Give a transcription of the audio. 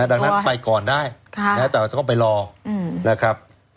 ดังนั้นไปก่อนได้ค่ะแต่ต้องไปรออืมนะครับ